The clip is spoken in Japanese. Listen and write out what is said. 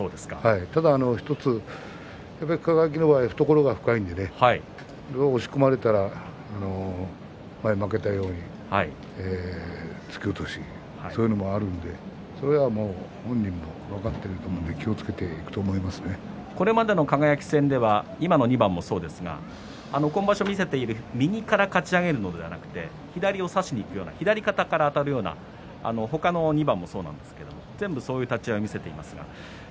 ただ１つ、輝の場合、懐が深いので押し込まれたら腕を押し込まれたら前に負けたように突き落としそういうのもあるので本人も分かっていると思うのでこれまでの輝戦では今の２番もそうですが今場所見せている右からかち上げるのではなく左を差しにいくような左肩からあたるような他の２番もそうですが全部そういう立ち合いを見せています。